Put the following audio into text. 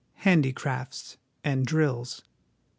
Handicrafts and Drills.